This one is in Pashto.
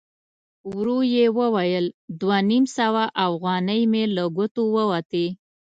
ورو يې وویل: دوه نيم سوه اوغانۍ مې له ګوتو ووتې!